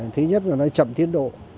thứ nhất là nó chậm tiến độ